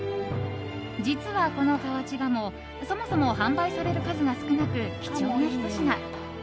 実は、この河内鴨そもそも販売される数が少なく貴重なひと品。